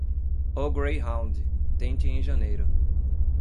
O Greyhound, tente em janeiro.